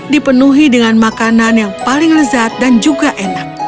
dipenuhi dengan makanan yang paling lezat dan juga enak